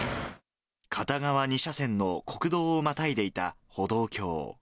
片側２車線の国道をまたいでいた歩道橋。